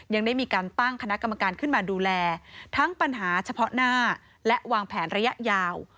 ยังได้มีการตั้งคณะกรรมการขึ้นมาดูแลทั้งปัญหาเฉพาะหน้าและวางแผนระยะยาว